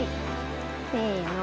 せの。